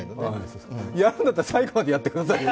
やるんだったら、最後までやってくださいよ。